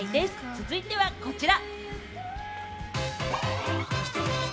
続いてはこちら！